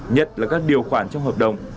nhật là các điều khoản trong hợp đồng